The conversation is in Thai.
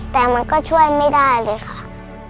แต่มันก็ช่วยไม่ได้เลยค่ะ